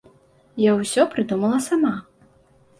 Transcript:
Я ўсё прыдумала сама.